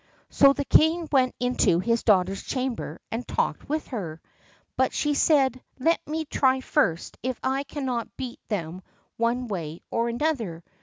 So the king went into his daughter's chamber and talked with her; but she said, "Let me try first if I cannot beat them one way or another."